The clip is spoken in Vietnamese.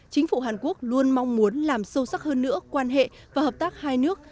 chính phủ hàn quốc luôn mong muốn làm sâu sắc hơn nữa quan hệ và hợp tác hai nước